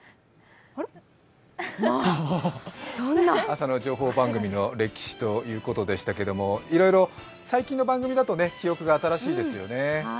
朝の情報番組の歴史ということでしたけどいろいろ最近の番組だと記憶が新しいですよね。